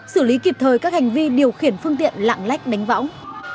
xử lý kịp thời các hành vi điều khiển phương tiện lạng lách đánh võng